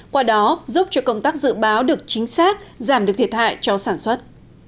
qua đó giúp cho công tác dự báo được chính xác giảm được thiệt hại cho sản xuất